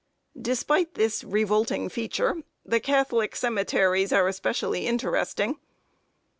Despite this revolting feature, the Catholic cemeteries are especially interesting.